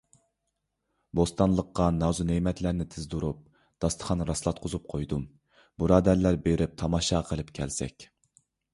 بوستانلىققا نازۇنېمەتلەرنى تىزدۇرۇپ، داستىخان راسلاتقۇزۇپ قويدۇم. بۇرادەرلەر، بېرىپ تاماشا قىلىپ كەلسەك.